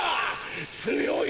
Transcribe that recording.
強い！！